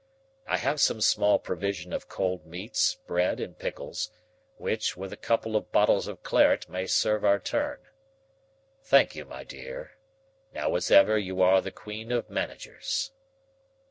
I have some small provision of cold meats, bread, and pickles which, with a couple of bottles of claret, may serve our turn. Thank you, my dear now as ever you are the queen of managers."